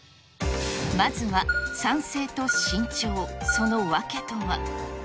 まずは、賛成と慎重、その訳とは。